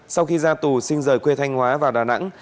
sau khi ra tù sinh rời quê thanh hóa vào đà nẵng